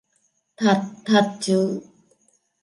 Thật thật chứ